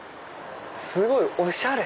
すごいおしゃれ！